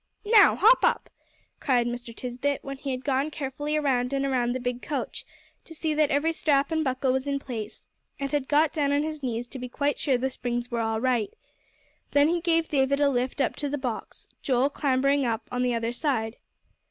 "Now, hop up!" cried Mr. Tisbett, when he had gone carefully around and around the big coach, to see that every strap and buckle was in place, and had got down on his knees to be quite sure the springs were all right. Then he gave David a lift up to the box, Joel clambering up on the other side.